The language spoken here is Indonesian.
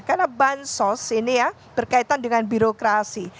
karena bansos ini ya berkaitan dengan birokrasi